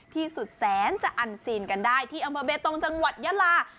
ที่สุดแสนจะอันซีนกันได้ที่อำเภอเบตงจังหวัดยาลา